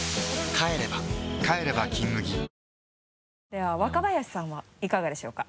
では若林さんはいかがでしょうか？